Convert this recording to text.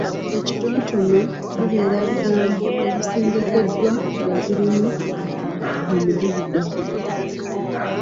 Ekitontome bibeera bigambo ebisengekeddwa nga birimu omudigido,